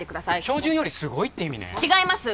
標準よりすごいって意味ね違います